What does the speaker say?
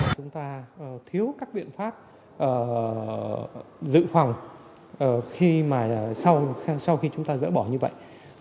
chúng ta thiếu các biện pháp giữ phòng sau khi chúng ta dỡ bỏ như vậy